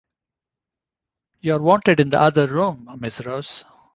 You are wanted in the other room, Miss Rose.